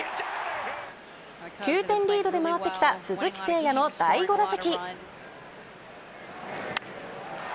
９点リードで回ってきた鈴木誠也の第５打席。